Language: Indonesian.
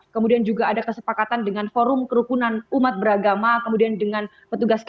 kemudian juga ada kesepakatan dengan forum kerukunan umat beragama kemudian dengan petugas keamanan